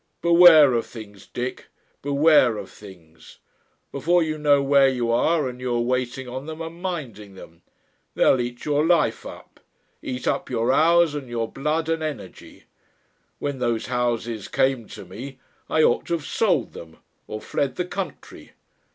Beware of Things, Dick, beware of Things! Before you know where you are you are waiting on them and minding them. They'll eat your life up. Eat up your hours and your blood and energy! When those houses came to me, I ought to have sold them or fled the country.